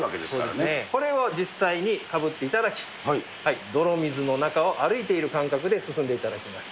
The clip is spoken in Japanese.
これを実際にかぶっていただき、泥水の中を歩いている感覚で進んでいただきます。